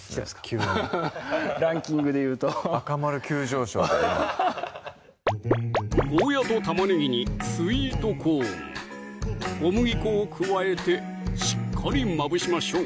急にランキングでいうと赤丸急上昇で今ゴーヤと玉ねぎにスイートコーン・小麦粉を加えてしっかりまぶしましょう